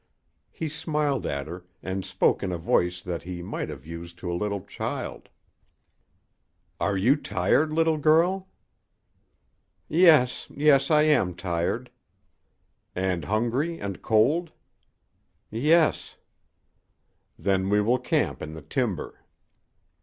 He smiled at her, and spoke in a voice that he might have used to a little child. "You are tired, little girl?" "Yes yes I am tired " "And hungry and cold?" "Yes." "Then we will camp in the timber."